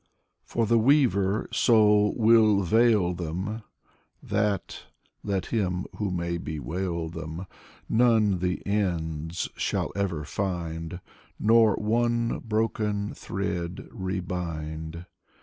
For the Weaver so will veil them That (let him who may bewail them) None the ends shall ever find. Nor one broken thread rebind.